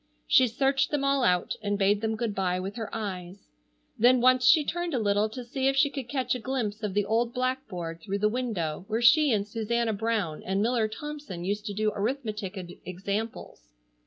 She searched them all out and bade them good bye with her eyes. Then once she turned a little to see if she could catch a glimpse of the old blackboard through the window where she and Susanna Brown and Miller Thompson used to do arithmetic examples.